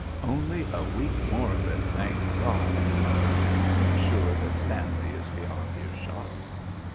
"Only a week more of it, thank God!" he mutters, when sure that Stanley is beyond ear shot.